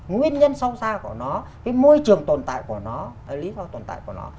nhân nhân sâu xa của nó cái môi trường tồn tại của nó lý do tồn tại của nó